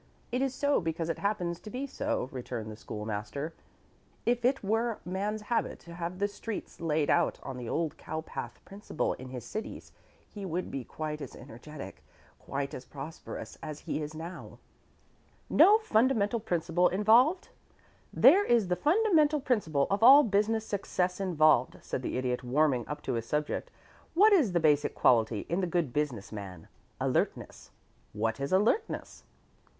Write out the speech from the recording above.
It is so because it happens to be so," returned the School master. "If it were man's habit to have the streets laid out on the old cowpath principle in his cities he would be quite as energetic, quite as prosperous, as he is now." "No fundamental principle involved? There is the fundamental principle of all business success involved," said the Idiot, warming up to his subject. "What is the basic quality in the good business man? Alertness. What is 'alertness?'